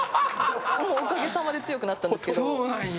おかげさまで強くなったんですけど。